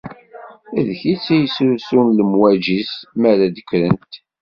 D kečč i yesrusun lemwaǧi-s mi ara d-kkrent.